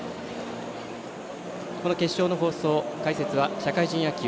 この決勝の放送、解説は社会人野球